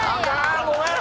ごめん